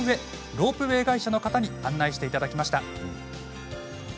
ロープウエー会社の方に案内していただきました。